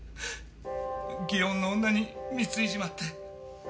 祇園の女に貢いじまって。